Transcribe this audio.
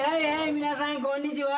皆さんこんにちは。